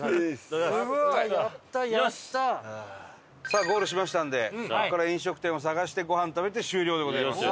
さあゴールしましたのでここから飲食店を探してごはん食べて終了でございます。